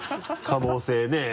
可能性ね。